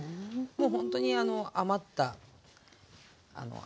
もうほんとに余ったねえ